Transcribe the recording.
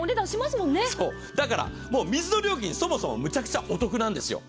だから水の料金、そもそもめちゃくちゃお得なんですよ。